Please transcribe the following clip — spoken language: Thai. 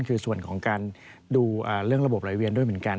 คือส่วนของการดูเรื่องระบบรายเวียนด้วยเหมือนกัน